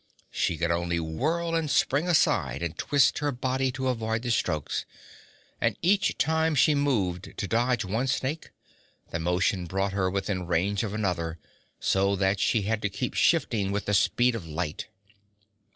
She could only whirl and spring aside and twist her body to avoid the strokes, and each time she moved to dodge one snake, the motion brought her within range of another, so that she had to keep shifting with the speed of light.